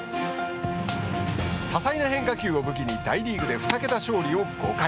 多彩な変化球を武器に大リーグで二桁勝利を５回。